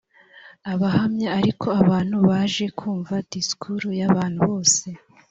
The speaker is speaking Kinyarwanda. abahamya ariko abantu baje kumva disikuru y abantu bose